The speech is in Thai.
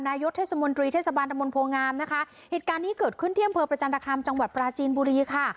นายกเทศมนตรีเทศบาลตะมนตโพงามนะคะเหตุการณ์นี้เกิดขึ้นที่อำเภอประจันทคามจังหวัดปราจีนบุรีค่ะ